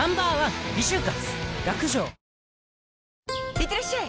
いってらっしゃい！